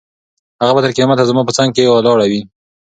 هغه به تر قیامته زما په څنګ کې ولاړه وي.